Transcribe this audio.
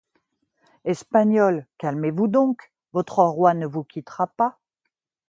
Espagnols, calmez-vous donc, votre roi ne vous quittera pas.